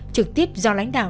trực tiếp do lãnh đạo